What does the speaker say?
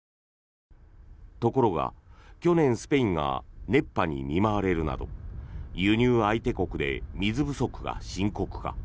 ところが、去年スペインが熱波に見舞われるなど輸入相手国で水不足が深刻化。